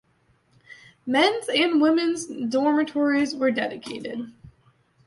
Men's and women's dormitories were dedicated.